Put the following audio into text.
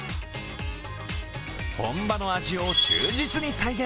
本場の味を忠実に再現。